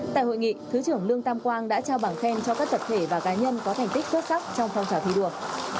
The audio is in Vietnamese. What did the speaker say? tại hội nghị thứ trưởng lương tam quang đã trao bảng khen cho các tập thể và cá nhân có thành tích xuất sắc trong phong trào thi đua